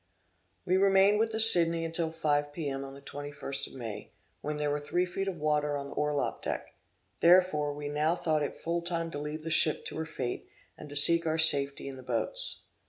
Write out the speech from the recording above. We remained with the Sidney until five P. M. on the twenty first of May, when there were three feet of water on the orlop deck; therefore we now thought it full time to leave the ship to her fate, and to seek our safety in the boats.